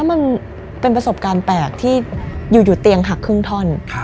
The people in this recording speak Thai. มันเป็นประสบการณ์แปลกที่อยู่เตียงหักครึ่งท่อน